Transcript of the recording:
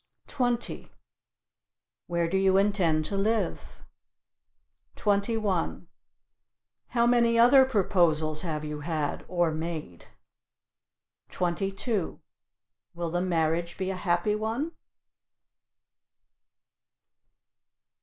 20. Where do you intend to live? 21. How many other proposals have you had, or made? 22. Will the marriage be a happy one?